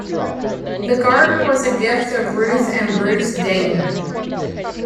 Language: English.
The garden was a gift of Ruth and Bruce Dayton.